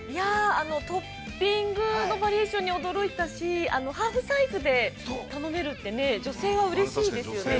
◆トッピングのバリエーションに、驚いたし、ハーフサイズで頼めるって、女性はうれしいですよね。